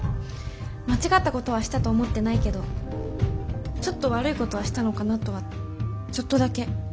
間違ったことはしたと思ってないけどちょっと悪いことはしたのかなとはちょっとだけ思ってます。